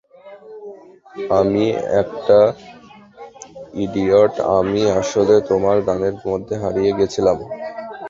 আমি একটা ইডিয়ট, আমি আসলে তোমার গানের মধ্যে হারিয়ে গেছিলাম।